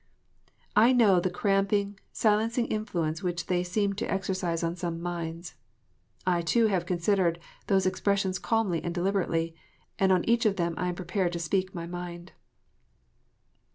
I know the cramping, silencing influence which they seem to exercise on some minds. I too have considered those expres sions calmly and deliberately, and on each of them I am prepared to speak my mind.